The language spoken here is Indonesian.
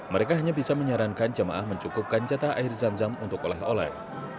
mereka hanya bisa menyarankan jemaah mencukupkan jatah air zam zam untuk oleh oleh